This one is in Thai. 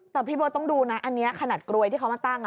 แต่พี่เบิร์ตต้องดูนะอันนี้ขนาดกรวยที่เขามาตั้ง